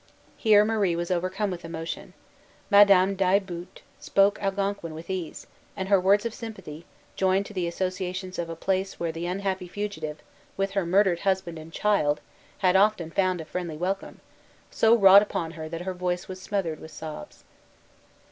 Here Marie was overcome with emotion. Madame d'Ailleboust spoke Algonquin with ease; and her words of sympathy, joined to the associations of a place where the unhappy fugitive, with her murdered husband and child, had often found a friendly welcome, so wrought upon her, that her voice was smothered with sobs.